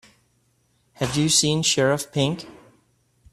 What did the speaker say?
Have you seen Sheriff Pink?